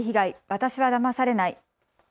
私はだまされない。